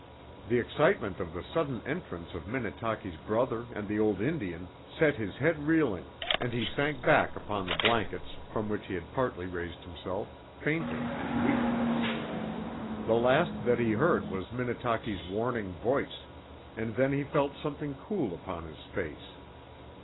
The excitement of the sudden entrance of Minnetaki's brother and the old Indian set his head reeling, and he sank back upon the blankets, from which he had partly raised himself, fainting and weak. The last that he heard was Minnetaki's warning voice, and then he felt something cool upon his face.